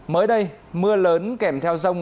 mới đây mưa lớn kèm theo rông